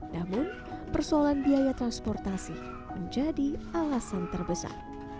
namun persoalan biaya transportasi menjadi alasan terbesar